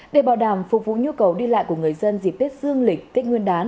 để bảo đảm phục vụ nhu cầu đi lại của người dân dịp tết dương lịch tết nguyên đán